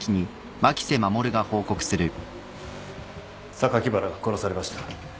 榊原が殺されました。